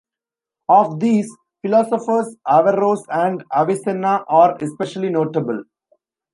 Of these, philosophers Averroes and Avicenna are especially notable.